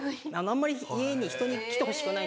あんまり家に人に来てほしくないんです。